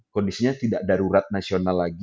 kondisinya tidak darurat nasional lagi